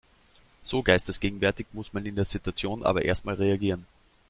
So geistesgegenwärtig muss man in der Situation aber erstmal reagieren.